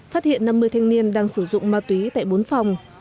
phát hiện năm mươi thanh niên đang sử dụng ma túy tại bốn phòng